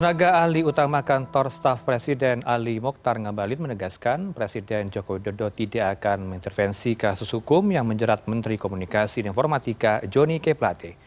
penaga ahli utama kantor staf presiden ali mokhtar ngabalin menegaskan presiden jokowi dodo tidak akan mengintervensi kasus hukum yang menjerat menteri komunikasi dan informatika joni keplate